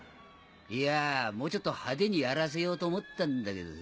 いやぁもうちょっと派手にやらせようと思ったんだけどさ。